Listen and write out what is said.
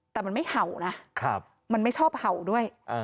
แต่มันไม่เห่านะมันไม่ชอบเห่าด้วย